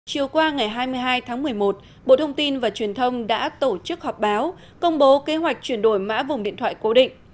chiều qua ngày hai mươi hai tháng một mươi một bộ thông tin và truyền thông đã tổ chức họp báo công bố kế hoạch chuyển đổi mã vùng điện thoại cố định